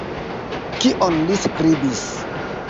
Kion li skribis?